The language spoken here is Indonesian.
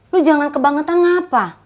lo jangan kebangetan ngapa